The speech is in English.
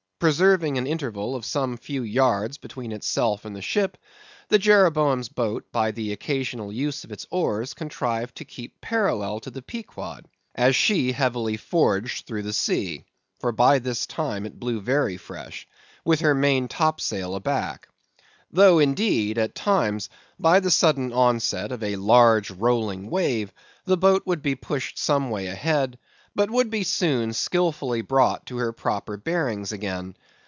Preserving an interval of some few yards between itself and the ship, the Jeroboam's boat by the occasional use of its oars contrived to keep parallel to the Pequod, as she heavily forged through the sea (for by this time it blew very fresh), with her main topsail aback; though, indeed, at times by the sudden onset of a large rolling wave, the boat would be pushed some way ahead; but would be soon skilfully brought to her proper bearings again.